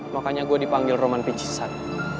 makanya gue dipanggil roman pizzag